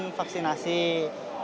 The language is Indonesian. saya sudah lakukan vaksinasi